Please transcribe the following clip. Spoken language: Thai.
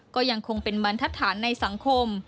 ก็ยังคงเป็นบรรทัศนในสังคม